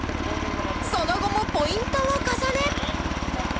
その後もポイントを重ね